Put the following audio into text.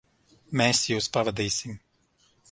Mēs jūs pavadīsim.